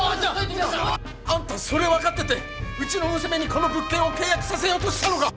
あんたそれ分かっててうちの娘にこの物件を契約させようとしたのか！